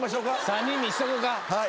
３人にしとこか。